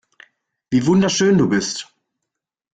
Wie wunderschön du bist.